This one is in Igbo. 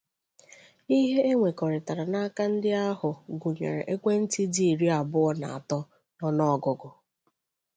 Ihe e nwèkọtara n'aka ndị ahụ gụnyèrè ekwentị dị iri abụọ na atọ n'ọnụọgụgụ